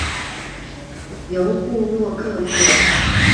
由部落客宣導